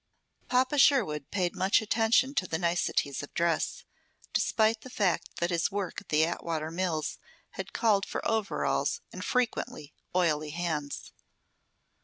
Papa Sherwood paid much attention to the niceties of dress, despite the fact that his work at the Atwater Mills had called for overalls and, frequently, oily hands.